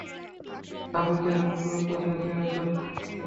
Traffic একমুখী, উত্তর থেকে দক্ষিণ দিকে।